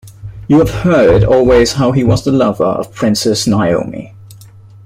You have heard always how he was the lover of the Princess Naomi.